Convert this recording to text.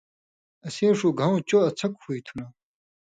اسیں ݜُو گھؤں چو اڅھکوۡ ہُوئ تُھو نا